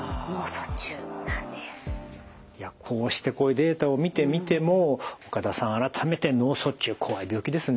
いやこうしてデータを見てみても岡田さん改めて脳卒中怖い病気ですね。